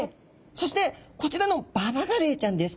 そしてこちらのババガレイちゃんです。